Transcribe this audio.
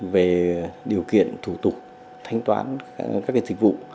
về điều kiện thủ tục thanh toán các cái thịnh vụ